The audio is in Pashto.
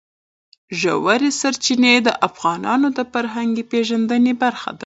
ژورې سرچینې د افغانانو د فرهنګي پیژندنې برخه ده.